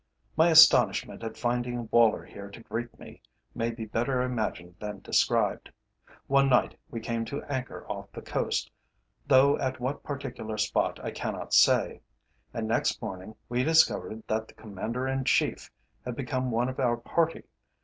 My astonishment at finding Woller here to greet me may be better imagined than described. One night we came to anchor off the coast, though at what particular spot I cannot say, and next morning we discovered that the Commander in Chief had become one of our party.